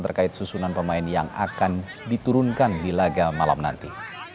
terkait susunan pemain yang akan diturunkan di laga malam nanti